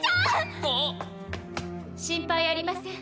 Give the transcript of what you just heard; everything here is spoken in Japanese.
心配ありません。